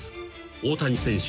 大谷選手